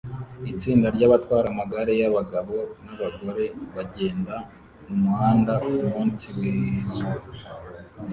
Itsinda ryabatwara amagare yabagabo nabagore bagenda mumuhanda kumunsi wizuba